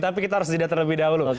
tapi kita harus jeda terlebih dahulu